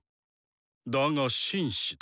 だが紳士だ。